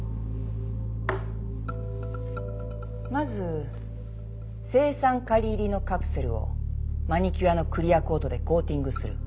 まず青酸カリ入りのカプセルをマニキュアのクリアコートでコーティングする。